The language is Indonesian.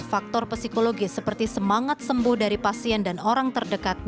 faktor psikologis seperti semangat sembuh dari pasien dan orang terdekat